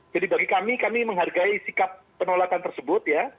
jadi bagi kami kami menghargai sikap penolakan tersebut ya